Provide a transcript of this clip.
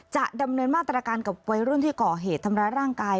จะดำเนินมาตรการกับวัยรุ่นที่ก่อเหตุทำร้ายร่างกาย